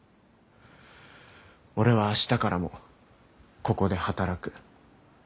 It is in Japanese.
俺は明日からもここで働く。